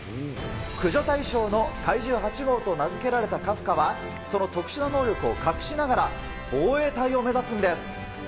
駆除対象の怪獣８号と名付けられたカフカは、その特殊な能力を隠しながら防衛隊を目指すんです。